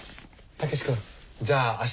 武志君じゃあ明日